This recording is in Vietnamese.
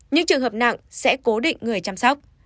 những trường hợp nặng sẽ cố định người chăm sóc